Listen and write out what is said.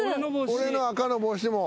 俺の赤の帽子も。